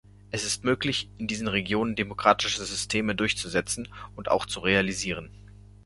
Es ist möglich, in diesen Regionen demokratische Systeme durchzusetzen und auch zu realisieren.